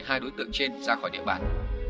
hai đối tượng trên ra khỏi địa bàn